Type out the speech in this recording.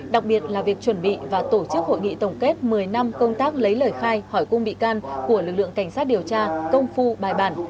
đặc biệt là việc chuẩn bị và tổ chức hội nghị tổng kết một mươi năm công tác lấy lời khai hỏi cung bị can của lực lượng cảnh sát điều tra công phu bài bản